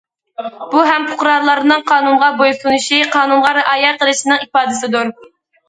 بۇ ھەم پۇقرالارنىڭ قانۇنغا بويسۇنۇشى، قانۇنغا رىئايە قىلىشىنىڭ ئىپادىسىدۇر.